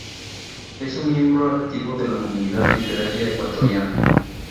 Es un miembro activo de la comunidad literaria ecuatoriana.